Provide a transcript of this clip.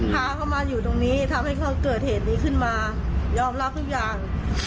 พาเขามาอยู่ตรงนี้ทำให้เขาเกิดเหตุนี้ขึ้นมายอมรับทุกอย่าง